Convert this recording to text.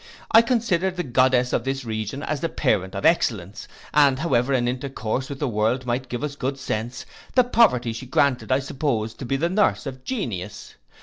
I considered the goddess of this region as the parent of excellence; and however an intercourse with the world might give us good sense, the poverty she granted I supposed to be the nurse of genius!